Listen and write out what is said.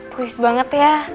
please banget ya